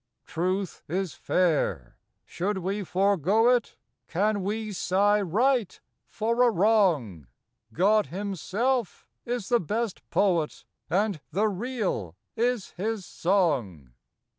Truth is fair; should we forego it? Can we sigh right for a wrong ? God Himself is the best Poet, And the Real is His song.